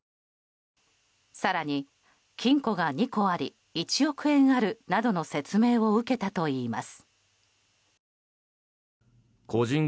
更に、金庫が２個あり１億円あるなどの説明を受けたといいます。